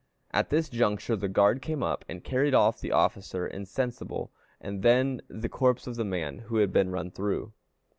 At this juncture the guard came up, and carried off the officer insensible, and then the corpse of the man who had been run through.